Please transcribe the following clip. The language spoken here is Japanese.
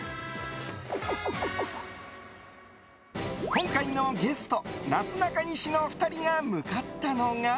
今回のゲスト、なすなかにしの２人が向かったのが。